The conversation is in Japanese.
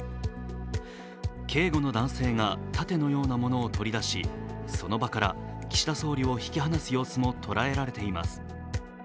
警護の男性が盾のようなものを取り出しその場から岸田総理を引き離す様子も捉えられています。